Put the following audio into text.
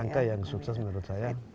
angka yang sukses menurut saya